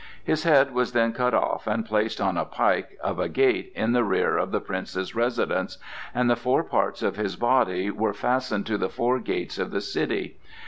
His head was then cut off and placed on a pike of a gate in the rear of the Prince's residence, and the four parts of his body were fastened to the four gates of the city.